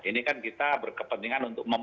ini kan kita berkepentingan untuk